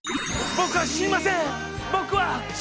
僕は死にません！